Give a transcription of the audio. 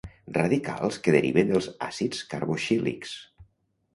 Radicals que deriven dels àcids carboxílics.